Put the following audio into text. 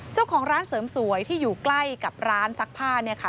เจ้าของร้านเสริมสวยที่อยู่ใกล้กับร้านซักผ้าเนี่ยค่ะ